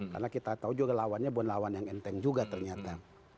karena kita tahu juga lawannya bukan lawan yang enteng juga ternyata